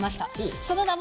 その名も＃